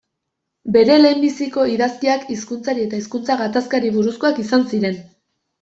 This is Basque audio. Bere lehenbiziko idazkiak hizkuntzari eta hizkuntza gatazkari buruzkoak izan ziren.